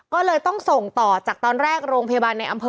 ก็เลยต้องส่งต่อจากตอนแรกโรงพยาบาลในอำเภอ